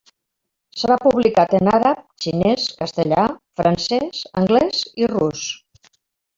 Serà publicat en àrab, xinès, castellà, francès, anglès i rus.